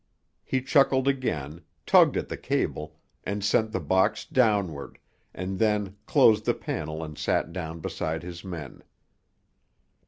He chuckled again, tugged at the cable, and sent the box downward, and then closed the panel and sat down beside his men.